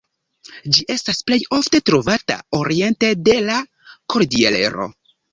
Ĝi estas plej ofte trovata oriente de la Kordilero.